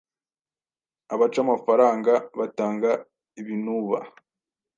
abaca amafaranga batanga binuba